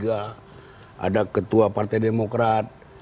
ada ketua partai demokrat